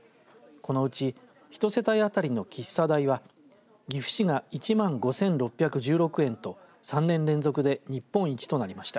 このうち１世帯当たりの喫茶代は岐阜市が１万５６１６円と３年連続で日本一となりました。